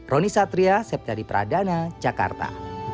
roni satria septyadi pradana jakarta